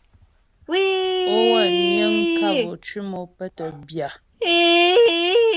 Ó wə́ niŋ kap ô cʉm o pə́ tə́ bya.